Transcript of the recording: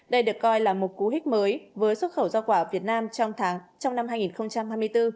đây được coi là một cú hích mới với xuất khẩu giao quả việt nam trong năm hai nghìn hai mươi bốn